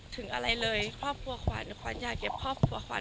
ถึงอะไรเลยครอบครัวขวัญขวัญอยากเก็บครอบครัวขวัญ